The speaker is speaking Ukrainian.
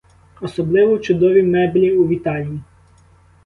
Особливо чудові меблі у вітальні.